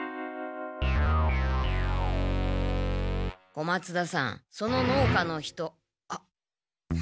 小松田さんその農家の人ハッ！